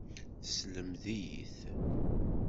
Teslemed-iyi-t.